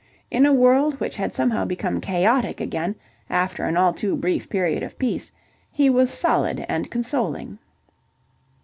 In a world which had somehow become chaotic again after an all too brief period of peace, he was solid and consoling.